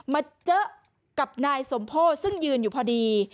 มาเจอกับนายสมโพธิซึ่งยืนอยู่พอดี